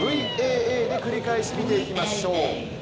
ＶＡＡで繰り返し見ていきましょう。